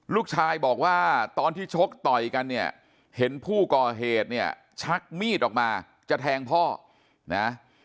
ลูกชายบอกว่าตอนที่ชกต่อยกันเนี่ยเห็นผู้ก่อเหตุเนี่ยชักมีดออกมาจะแทงพ่อนะ